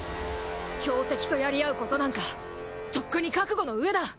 強敵とやり合うことなんかとっくに覚悟の上だ。